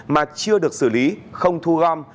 mà chưa được xử lý không thu gom